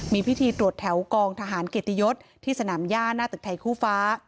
มีพิธีตรวจแถวกองทหารเกียรติยศที่สนามย่าหน้าตึกไทยคู่ฟ้า